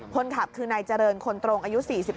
คนขับคือนายเจริญคนตรงอายุ๔๑